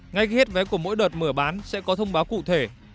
ngay khi hết vé của mỗi đợt mở bán sẽ có thông báo cụ thể